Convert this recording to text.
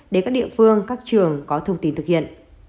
để các địa phương các trường có thông tin thực hiện